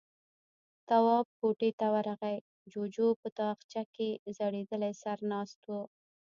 تواب کوټې ته ورغی، جُوجُو په تاخچه کې ځړېدلی سر ناست و.